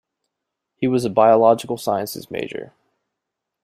He was a Biological Sciences major.